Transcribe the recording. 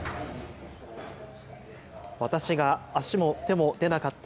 私が足も手も出なかった